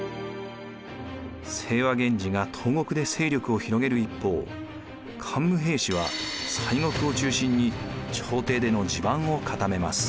清和源氏が東国で勢力を広げる一方桓武平氏は西国を中心に朝廷での地盤を固めます。